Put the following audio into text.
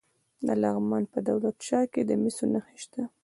د لغمان په دولت شاه کې د مسو نښې شته.